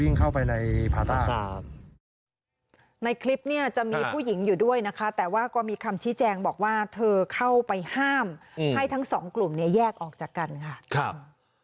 เราก็เลยวิ่งเข้าไปในภาษาครับ